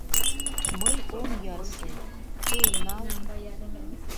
— Мый ом ярсе, тый нал.